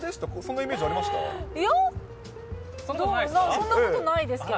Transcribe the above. そんなことないですけど。